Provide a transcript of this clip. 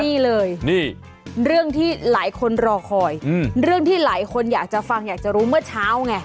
นี่เลยนี่เรื่องที่หลายคนรอคอยเรื่องที่หลายคนอยากจะฟังอยากจะรู้เมื่อเช้าไง